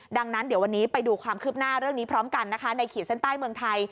ดังนั้นเดี๋ยววันนี้ไปดูความคืบหน้าเรื่องนี้พร้อมกันนะคะในขีดเส้นใต้เมืองไทย